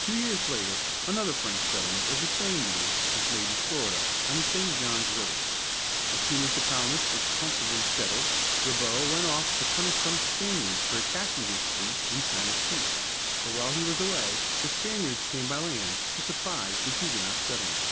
Two years later another French settlement of the same name was made in Florida, on the St. Johns River. As soon as the colonists were comfortably settled, Ribault went off to punish some Spaniards for attacking his fleet in time of peace. But while he was away the Spaniards came by land to surprise the Huguenot settlement.